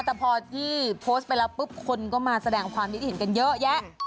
แต่พอที่โพสต์ไปแล้วปุ๊บคนก็มาแสดงความคิดเห็นกันเยอะแยะ